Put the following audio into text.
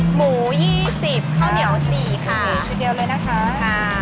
หมู๒๐เข้าเหนียว๔ค่ะ